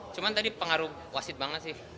cuma tadi pengaruh wasit banget sih